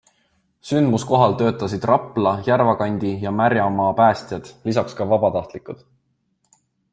Sündmuskohal töötasid Rapla, Järvakandi ja Märjamaa päästjad, lisaks ka vabatahtlikud.